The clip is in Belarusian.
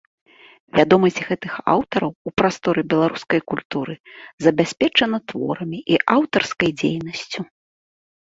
Вядомасць гэтых аўтараў у прасторы беларускай культуры забяспечана творамі і аўтарскай дзейнасцю.